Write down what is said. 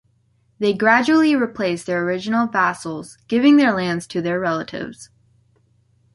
They gradually replaced the original vassals, giving their lands to their relatives.